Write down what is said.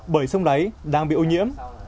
bởi sông đáy đang bị ô nhiễm